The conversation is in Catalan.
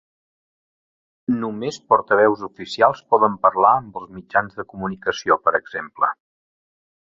Només portaveus oficials poden parlar amb els mitjans de comunicació, per exemple.